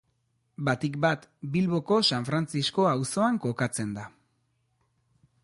Batik bat Bilboko San Frantzisko auzoan kokatzen da.